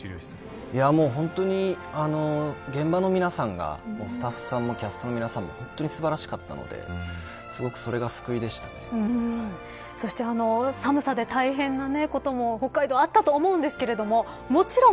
本当に現場の皆さんがスタッフさんも、キャストも皆さんも素晴らしかったのでそして寒さで大変なことも北海道あったと思うんですけどもちろん